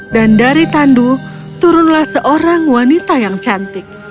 dan dari tandu turunlah seorang wanita yang cantik